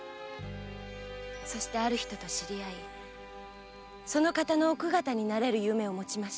そしてある人と知り合い奥方になれる夢をもちました。